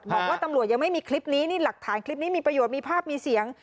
บอกว่าตำรวจยังไม่มีคลิปนี้นี่หลักฐานคลิปนี้มีประโยชน์มีภาพมีเสียง